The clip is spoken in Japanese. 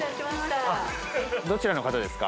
どちらの方ですか？